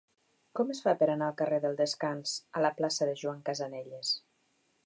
Com es fa per anar del carrer del Descans a la plaça de Joan Casanelles?